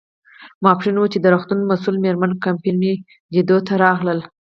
ماپیښین و، چې د روغتون مسؤله مېرمن کمپن مې لیدو ته راغلل.